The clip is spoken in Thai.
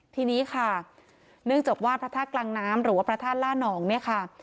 ทีนี้ค่ะเนื่องจากว่าพระธาตุกลางน้ำหรือว่าพระธาตุล่านองเนี่ยค่ะ